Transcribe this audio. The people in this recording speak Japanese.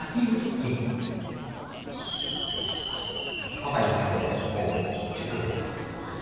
パパになってもう１０か月です。